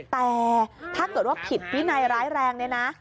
แต่ถ้าเกิดว่าผิดวินัยร้ายแรงเนี่ยนะ